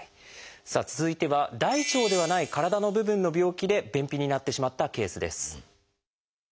さあ続いては大腸ではない体の部分の病気で便秘になってしまったケースです。